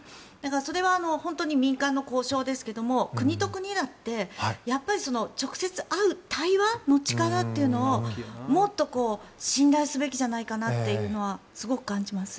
それは民間の交渉ですけど国と国だってやっぱり直接会う対話の力というのをもっと信頼すべきじゃないかなというのはすごく感じます。